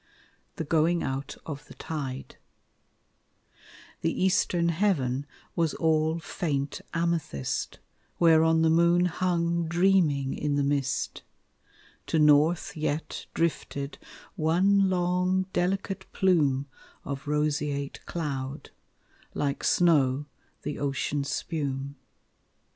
'" THE GOING OUT OF THE TIDE The eastern heaven was all faint amethyst, Whereon the moon hung dreaming in the mist; To north yet drifted one long delicate plume Of roseate cloud; like snow the ocean spume.